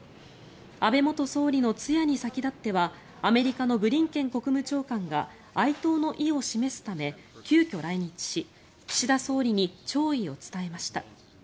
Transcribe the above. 安倍元総理の通夜に先立ってはアメリカのブリンケン国務長官が哀悼の意を示すため急きょ来日し岸田総理に弔意を伝えました。